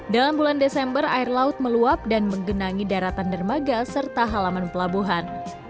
dalam bulan desember air laut meluap dan menggenangi daratan dermaga serta halaman pelabuhan